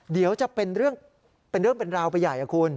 เดี๋ยวจะเป็นเรื่องเป็นราวไปใหญ่คุณ